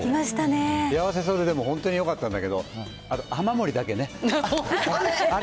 幸せそうで本当によかったんだけど、雨漏りだけね。